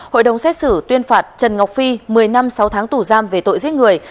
hội đồng xét xử tuyên phạt trần ngọc phi một mươi năm sáu tháng tù giam về tội giết người